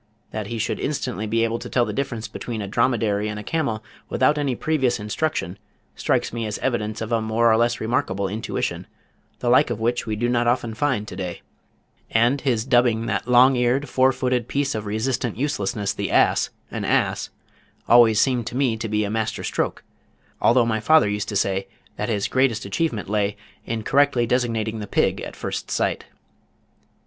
That he should instantly be able to tell the difference between a dromedary and a camel without any previous instruction, strikes me as evidence of a more or less remarkable intuition, the like of which we do not often find to day, and his dubbing that long eared, four footed piece of resistant uselessness the Ass an ass, always seemed to me to be a master stroke, although my father used to say that his greatest achievement lay in correctly designating the pig at first sight.